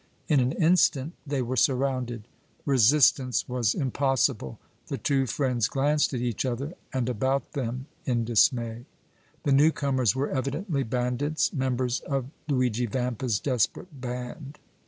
In an instant they were surrounded. Resistance was impossible; the two friends glanced at each other and about them in dismay. The new comers were evidently bandits, members of Luigi Vampa's desperate band.